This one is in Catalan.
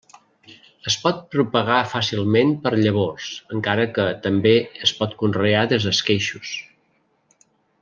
Es pot propagar fàcilment per llavors, encara que també es pot conrear des d'esqueixos.